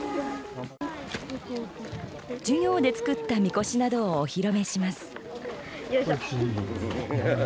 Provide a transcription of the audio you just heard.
授業で作った神輿などをお披露目します。